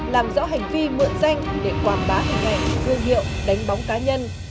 làm rõ hành vi mượn danh để quảng bá hình ảnh thương hiệu đánh bóng cá nhân